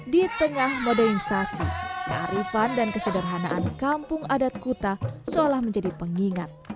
di tengah modernisasi kearifan dan kesederhanaan kampung adat kuta seolah menjadi pengingat